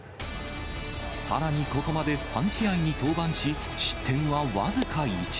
さらにここまで３試合に登板し、失点は僅か１。